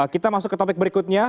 kita masuk ke topik berikutnya